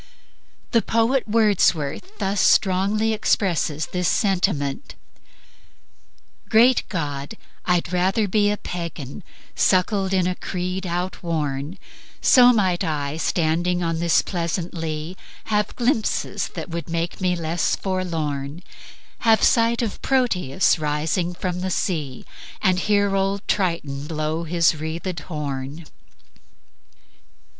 The poet Wordsworth thus strongly expresses this sentiment: "... Great God, I'd rather be A Pagan, suckled in a creed outworn, So might I, standing on this pleasant lea, Have glimpses that would make me less forlorn; Have sight of Proteus rising from the sea, And hear old Triton blow his wreathed horn."